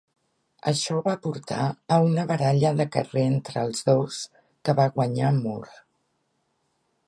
Això va portar a una baralla de carrer entre els dos, que va guanyar Moore.